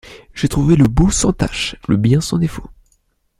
J’ai trouvé le beau sans tache, le bien sans défaut.